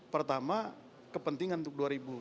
pertama kepentingan untuk dua ribu sembilan belas